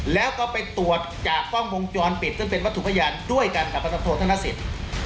แล้วก็ไปตรวจจากกล้องวงจรปิดซึ่งเป็นวัตถุพยานด้วยกันกับพันธโทษธนสิทธิ์